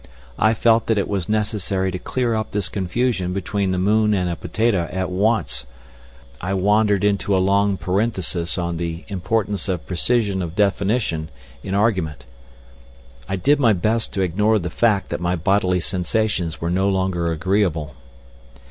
I felt that it was necessary to clear up this confusion between the moon and a potato at once—I wandered into a long parenthesis on the importance of precision of definition in argument. I did my best to ignore the fact that my bodily sensations were no longer agreeable.